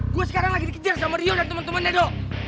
gua sekarang lagi dikejar sama rio dan temen temennya dong